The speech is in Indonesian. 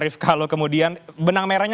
paling benar sehingga